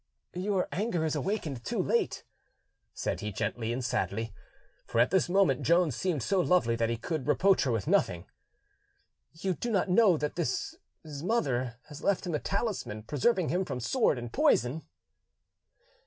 "Your anger is awakened too late," said he gently and sadly; for at this moment Joan seemed so lovely that he could reproach her with nothing. "You do not know that his mother has left him a talisman preserving him from sword and poison?"